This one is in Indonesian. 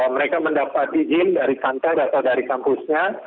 mereka mendapat izin dari kantor atau dari kampusnya